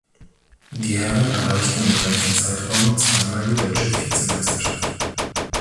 Die Herren erreichten im gleichen Zeitraum zwei Mal die deutsche Vizemeisterschaft.